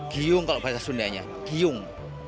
giung kalau bahasa sundanya giung